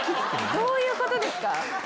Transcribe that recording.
どういうことですか？